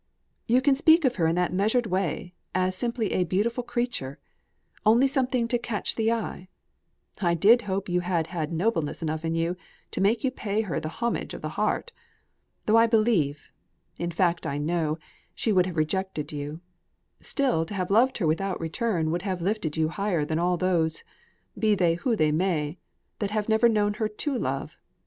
You can speak of her in that measured way, as simply a 'beautiful creature' only something to catch the eye. I did hope you had had nobleness enough in you to make you pay her the homage of the heart. Though I believe in fact I know, she would have rejected you, still to have loved her without return would have lifted you higher than all those, be they who they may, that have ever known her to love.